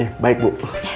ya baik bu